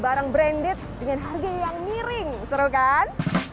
orang branded dengan harga yang miring serukan